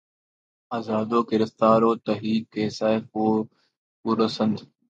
آزاد و گرفتار و تہی کیسہ و خورسند